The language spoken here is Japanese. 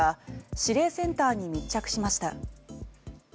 指令センターに密着しました。